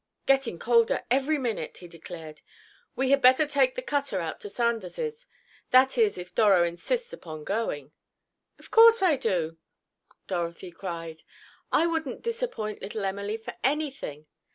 "Getting colder every minute," he declared. "We had better take the cutter out to Sanders's—that is, if Doro insists upon going." "Of course I do," Dorothy cried. "I wouldn't disappoint little Emily for anything.